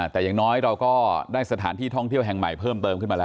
แต่อย่างน้อยเราก็ได้สถานที่ท่องเที่ยวแห่งใหม่เพิ่มเติมขึ้นมาแล้ว